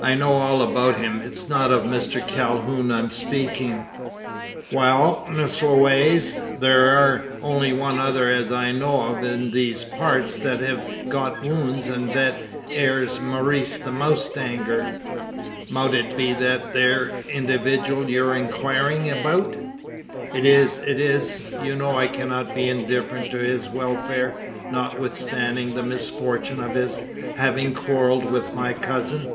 I know all about him. It's not of Mr Calhoun I'm speaking." "Wall, Miss Lewasse; thur air only one other as I know of in these parts thet hev got wownds; an thet air's Maurice the mowstanger. Mout it be thet ere individooal yur inquirin' abeout?" "It is it is! You know I cannot be indifferent to his welfare, notwithstanding the misfortune of his having quarrelled with my cousin.